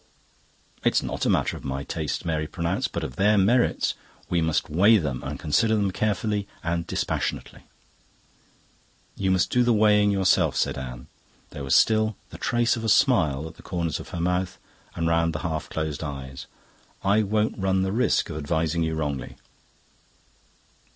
"It's not a matter of my taste," Mary pronounced, "but of their merits. We must weigh them and consider them carefully and dispassionately." "You must do the weighing yourself," said Anne; there was still the trace of a smile at the corners of her mouth and round the half closed eyes. "I won't run the risk of advising you wrongly."